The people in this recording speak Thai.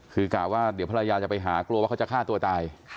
คือกะว่าเดี๋ยวภรรยาจะไปหากลัวว่าเขาจะฆ่าตัวตาย